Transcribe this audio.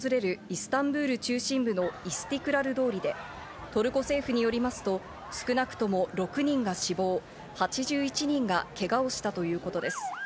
イスタンブール中心部のイスティクラル通りで、トルコ政府によりますと、少なくとも６人が死亡、８１人がけがをしたということです。